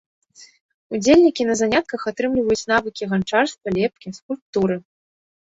Удзельнікі на занятках атрымліваюць навыкі ганчарства, лепкі, скульптуры.